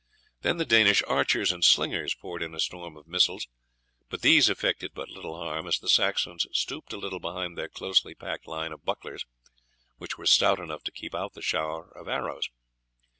Then the Danish archers and slingers poured in a storm of missiles, but these effected but little harm, as the Saxons stooped a little behind their closely packed line of bucklers, which were stout enough to keep out the shower of arrows.